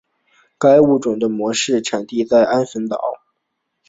该物种的模式产地在安汶岛。